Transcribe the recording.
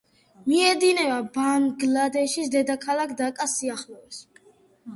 მიედინება ბანგლადეშის დედაქალაქ დაკას სიახლოვეს.